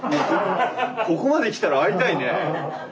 ここまで来たら会いたいねえ。